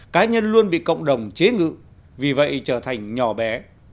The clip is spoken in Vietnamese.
cá nhân luôn bị cộng đồng chế ngự vì vậy trở thành nhỏ bé